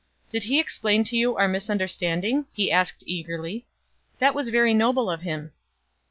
"Did he explain to you our misunderstanding?" he asked, eagerly. "That was very noble in him."